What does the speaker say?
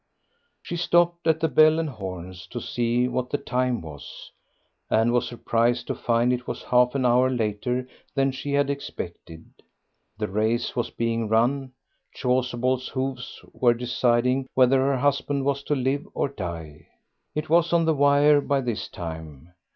She stopped at the "Bell and Horns" to see what the time was, and was surprised to find it was half an hour later than she had expected. The race was being run, Chasuble's hoofs were deciding whether her husband was to live or die. It was on the wire by this time.